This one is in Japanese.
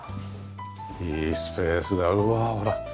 いいスペースだうわあほら。